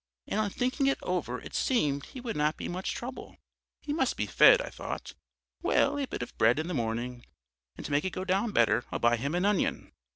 And on thinking it over it seemed he would not be much trouble. He must be fed, I thought. Well, a bit of bread in the morning, and to make it go down better I'll buy him an onion.